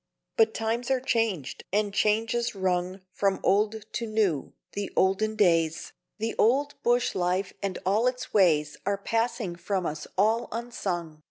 ..... But times are changed, and changes rung From old to new the olden days, The old bush life and all its ways Are passing from us all unsung.